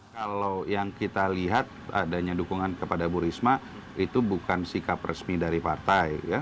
kalau yang kita lihat adanya dukungan kepada bu risma itu bukan sikap resmi dari partai